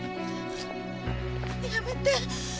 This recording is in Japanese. やめて！